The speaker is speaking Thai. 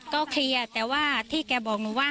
ก็เคลียร์แต่ว่าที่แกบอกหนูว่า